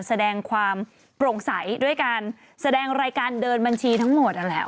แสดงความโปร่งใสด้วยการแสดงรายการเดินบัญชีทั้งหมดนั่นแหละ